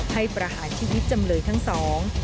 ประหารชีวิตจำเลยทั้งสอง